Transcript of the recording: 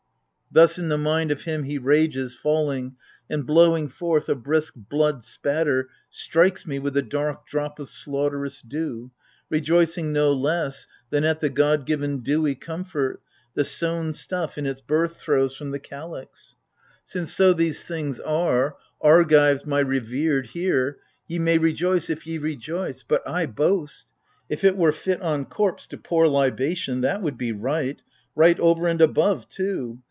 Thus in the mind of him he rages, falling, And blowing forth a brisk blood spatter, strikes me With the dark drop of slaughterous dew — rejoicing No less than, at the god given dewy comfort. The sown stuff in its birth throes from the calyx. .p^ AGAMEMNON. Since so these things are, — Argives, my revered here, Ye may rejoice— if ye rejoice : but I — boast ! If it were fit on corpse to pour libation, That would be right — right over and above, too